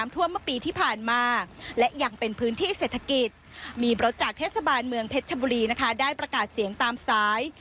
ที่เศรษฐกิจมีรถจากเทศบาลเมืองเพชรชมบุรีได้ประกาศเสียงตามซ้าย